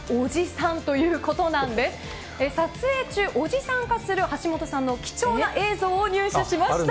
撮影中、おじさん化する橋本さんの貴重な映像を入手しました。